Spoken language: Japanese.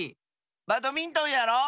バドミントンやろう！